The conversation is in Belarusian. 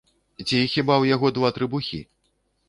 Ці хіба ў яго два трыбухі?